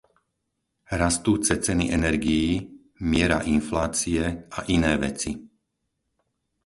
Rastúce ceny energií, miera inflácie a iné veci.